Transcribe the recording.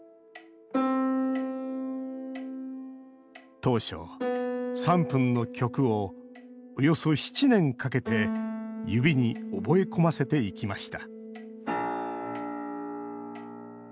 当初、３分の曲をおよそ７年かけて指に覚え込ませていきました